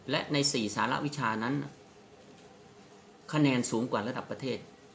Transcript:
และใน๔สารวิชานั้นคะแนนสูงกว่าระดับประเทศ